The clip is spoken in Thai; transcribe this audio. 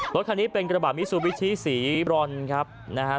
รถคันนี้เป็นกระบาดมิสูจิวิธีศรีบรรณ